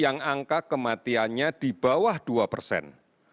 yang angka kematiannya di bawah dua persen